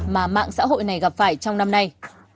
mà mạng xã hội này gặp phải trong năm nay